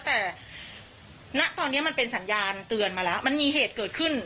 แต่ณตอนนี้มันเป็นสัญญาณเตือนมาแล้วมันมีเหตุเกิดขึ้น